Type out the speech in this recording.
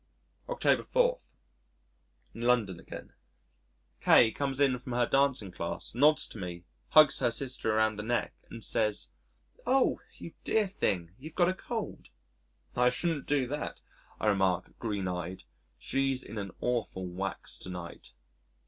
October 4. In London Again K comes in from her dancing class, nods to me, hugs her sister around the neck and says, "Oh! you dear thing, you've got a cold." "I shouldn't do that," I remark, green eyed, "she's in an awful wax to night."